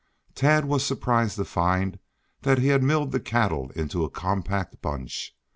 Tad was surprised to find that he had milled the cattle into a compact bunch.